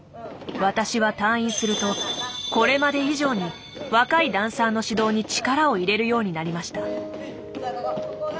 私は退院するとこれまで以上に若いダンサーの指導に力を入れるようになりました。